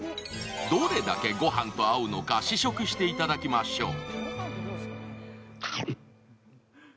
どれだけごはんと合うのか試食してもらいましょう。